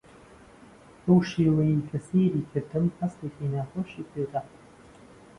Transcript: بەو شێوەیەی کە سەیری کردم هەستێکی ناخۆشی پێ دام.